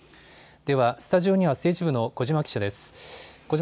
ではスタジオに政治部の小嶋記者です。